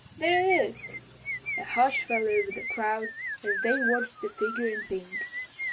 There it is!" A hush fell over the crowd as they watched the figure in pink.